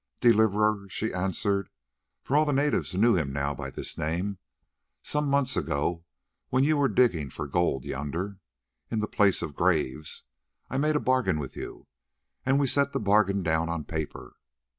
"Deliverer," she answered, for all the natives knew him now by this name, "some months ago, when you were digging for gold yonder, in the Place of Graves, I made a bargain with you, and we set the bargain down on paper.